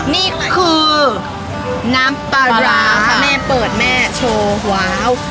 นี่คือน้ำปลาร้าแม่เปิดแม่โชว์ว้าว